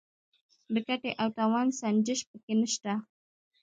د ګټې او تاوان سنجش پکې نشته.